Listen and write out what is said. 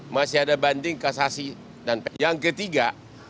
masih ada banding kasasi dan yang ketiga